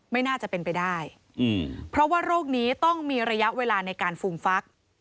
ไม่น่าจะเป็นไปได้เพราะว่าโรคนี้ต้องมีระยะเวลาในการฟูมฟัก